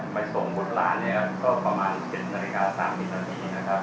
ไปส่งรถร้านก็ประมาณ๗นาฬิกา๓๐นาที